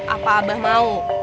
apa abah mau